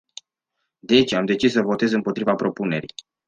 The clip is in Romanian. Deci am decis să votez împotriva propunerii.